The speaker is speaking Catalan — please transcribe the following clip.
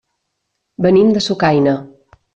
Venim de Sucaina.